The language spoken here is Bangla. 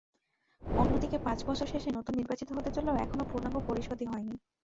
অন্যদিকে পাঁচ বছর শেষে নতুন নির্বাচন হতে চললেও এখনো পূর্ণাঙ্গ পরিষদই হয়নি।